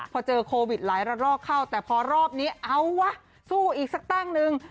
พอเจอโควิดหลายละรอกเข้าแต่พอรอบนี้เอาวะสู้อีกสักตั้งนึง